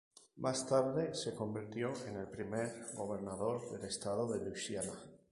Más tarde se convirtió en el primer gobernador del estado de Luisiana.